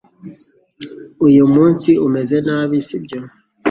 Uyu munsi, umeze nabi, si byo?